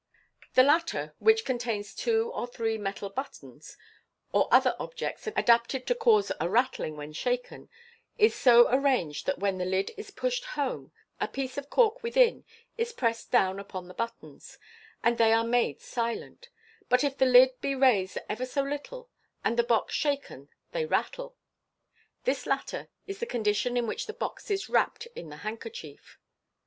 This latter, which contains two or three metal buttons, or other objects adapted to cause a rattling when shaken, is so arranged that when the lid is pushed home a piece of cork within is pressed down upon the buttons, and they are made silent ; but if the lid be raised ever so little, and the box shaken, they rattle. This latter is the condition in which the box if wrapped in the handkerchief.